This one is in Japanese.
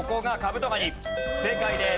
正解です。